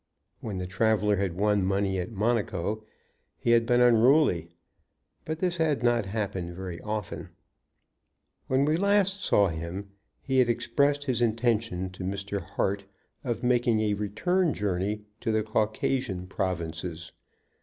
When the traveller had won money at Monaco he had been unruly, but this had not happened very often. When we last saw him he had expressed his intention to Mr. Hart of making a return journey to the Caucasian provinces.